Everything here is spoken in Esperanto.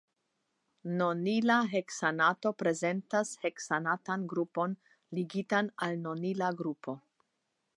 Nonila heksanato prezentas heksanatan grupon ligitan al nonila grupo.